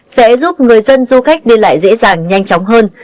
sẽ giúp người dân du khách đi lại dễ dàng nhanh chóng hơn